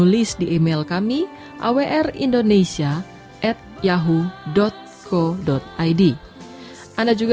oh sekarang aku datang